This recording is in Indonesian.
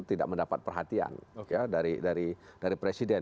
tidak mendapat perhatian dari presiden